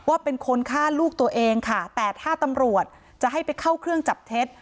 เป็นคนฆ่าลูกตัวเองค่ะแต่ถ้าตำรวจจะให้ไปเข้าเครื่องจับเท็จ